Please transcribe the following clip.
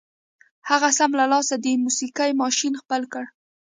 هغه سم له لاسه د موسيقۍ ماشين خپل کړ.